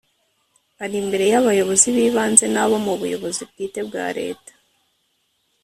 Ari imbere y’abayobozi b’ibanze n’abo mu buyobozi bwite bwa leta